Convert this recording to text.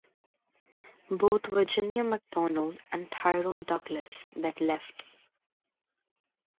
Both Virginia McDonald and Tyrone Douglas then left.